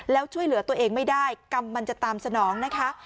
แล้วช่วยเหลือตัวเองไม่ได้กรรมมันจะตามสนองนะคะ